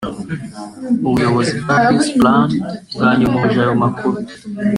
ubuyobozi bwa Peace Plan bwanyomoje ayo makuru